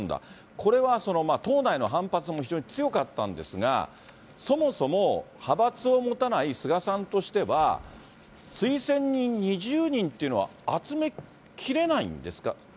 これは党内の反発も非常に強かったんですが、そもそも、派閥を持たない菅さんとしては、推薦人２０人っていうのは集めきれないんですか？